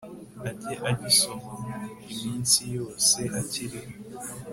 ajye agisomamo iminsi yose akiriho